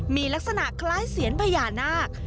มีลักษณะคล้ายเซียนพญานาค